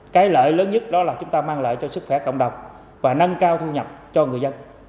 cái lợi lớn nhất đó là chúng ta mang lại cho sức khỏe cộng đồng và nâng cao thu nhập cho người dân